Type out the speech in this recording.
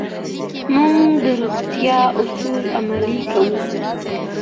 مور د روغتیا اصول عملي کوي.